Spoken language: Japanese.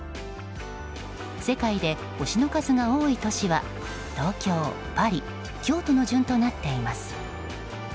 世界で星の数が多い都市は東京、パリ京都の順となっています。